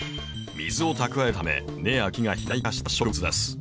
水を蓄えるため根や茎が肥大化した植物です。